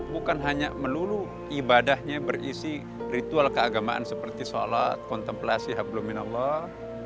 bukan hanya melulu ibadahnya berisi ritual keagamaan seperti sholat kontemplasi habluminallah